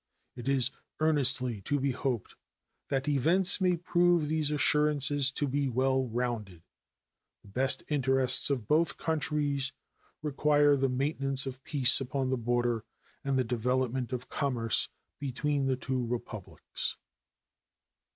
It is earnestly to be hoped that events may prove these assurances to be well rounded. The best interests of both countries require the maintenance of peace upon the border and the development of commerce between the two Republics.